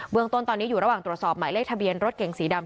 เมืองต้นตอนนี้อยู่ระหว่างตรวจสอบหมายเลขทะเบียนรถเก่งสีดำ